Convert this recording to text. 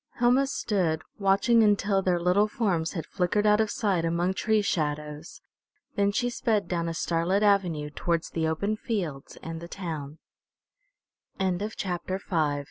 Helma stood watching until their little forms had flickered out of sight among tree shadows. Then she sped down the starlit avenue towards the open fields and the town. CHAPTER VI AT THE HEART OF A